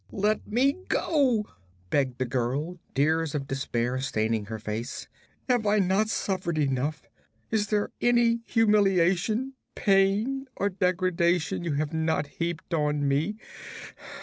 'Let me go!' begged the girl, tears of despair staining her face. 'Have I not suffered enough? Is there any humiliation, pain or degradation you have not heaped on me?